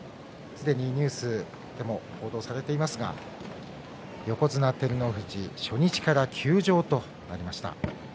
すでにニュースでも報道されていますが横綱照ノ富士初日から休場となりました。